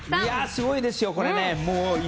すごいですよ、これ。